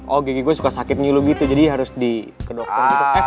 oh gigi gua suka sakit ngilu gitu jadi harus di kedokter gitu